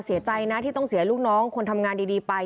เสียใจนะที่ต้องเสียลูกน้องคนทำงานดีไป